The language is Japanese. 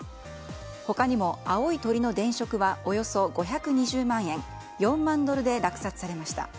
他にも青い鳥の電飾はおよそ５２０万円４万ドルで落札されました。